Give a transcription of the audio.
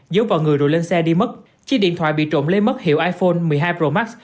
giấu vào người rồi lên xe đi mất chiếc điện thoại bị trộm lấy mất hiệu iphone một mươi hai pro max